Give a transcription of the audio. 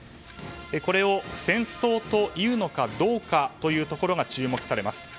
これを戦争というのかどうかというところが注目されます。